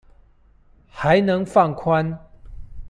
還能放寬